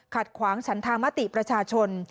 ขัดขวางชันธามติประชาชน